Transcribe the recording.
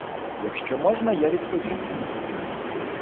Якщо можна я відповім.